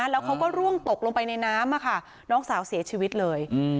แล้วเขาก็ร่วงตกลงไปในน้ำน้องสาวเสียชีวิตเลย